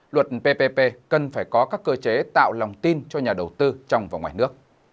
luật ppp cần phải có các cơ chế tạo lòng tin cho nhà đầu tư trong và ngoài nước